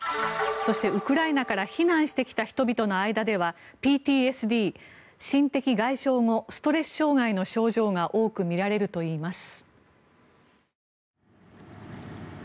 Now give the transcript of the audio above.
そしてウクライナから避難してきた人々の間ではＰＴＳＤ・心的外傷後ストレス障害の症状が多く見られるといいます。